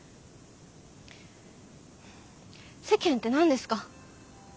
世間って何ですか？